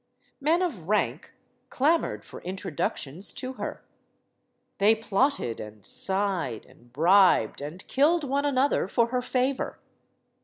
Men of rank clamored for introductions to her. They plotted, and sighed, and bribed, and killed one another for her favor.